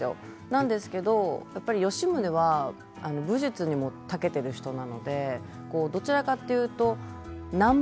ですけれど吉宗は武術にも、たけている人なのでどちらかというとナンバ